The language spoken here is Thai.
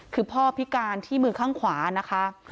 คือพ่อพิการที่มือข้างขวานะคะ